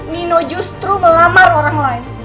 nino justru melamar orang lain